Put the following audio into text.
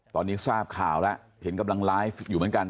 ตอนนี้ทราบข่าวแล้วเห็นกำลังไลฟ์อยู่เหมือนกัน